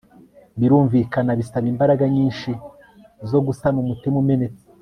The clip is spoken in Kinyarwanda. birumvikana! bisaba imbaraga nyinshi zo gusana umutima umenetse